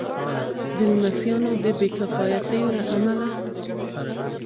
د لمسیانو د بې کفایتیو له امله.